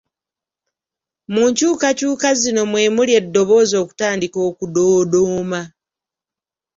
Mu nkyukakyuka zino mwe muli eddoboozi okutandika okudoodooma.